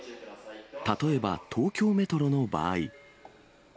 例えば、東京メトロの場合。